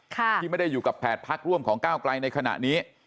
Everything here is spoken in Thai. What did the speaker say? ที่ไม่ได้อยู่กับ๘พักร่วมของก้าวไกลในขณะนี้